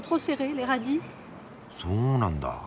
そうなんだ。